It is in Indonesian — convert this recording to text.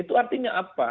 itu artinya apa